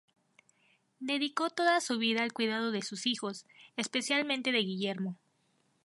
Dedicó toda su vida al cuidado de sus hijos, especialmente de Guillermo.